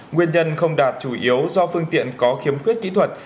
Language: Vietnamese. nguyên nhân không đạt chủ yếu do phương tiện có khiếm khuyết kỹ thuật